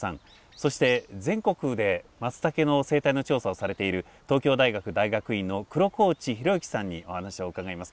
そして全国でマツタケの生態の調査をされている東京大学大学院の黒河内寛之さんにお話を伺います。